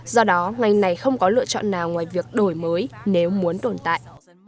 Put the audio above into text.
do đó ngành này không có lựa chọn nào ngoài việc đổi mới nếu muốn tồn tại